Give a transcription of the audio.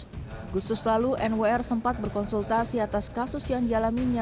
agustus lalu nwr sempat berkonsultasi atas kasus yang dialaminya